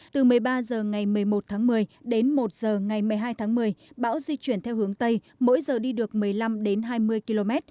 từ một mươi ba h ngày một mươi một tháng một mươi đến một h ngày một mươi hai tháng một mươi bão di chuyển theo hướng tây mỗi giờ đi được một mươi năm đến hai mươi km